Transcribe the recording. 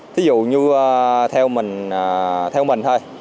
thí dụ như theo mình thôi